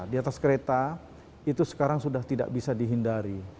di atas kereta itu sekarang sudah tidak bisa dihindari